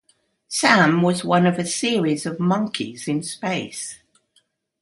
Sam was one of a series of monkeys in space.